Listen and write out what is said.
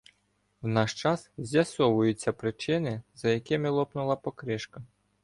В наш час з'ясовуються причини, за якими лопнула покришка.